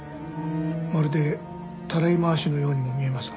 まるでたらい回しのようにも見えますが。